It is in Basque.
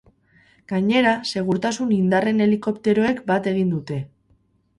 Gainera, segurtasun indarren helikopteroek bat egin dute.